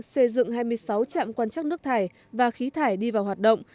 xây dựng hai mươi sáu trạm quan trắc nước thải và khí thải đi vào hoạt động